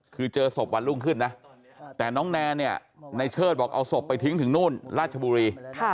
คือเจอศพวันรุ่งขึ้นนะแต่น้องแนนเนี่ยในเชิดบอกเอาศพไปทิ้งถึงนู่นราชบุรี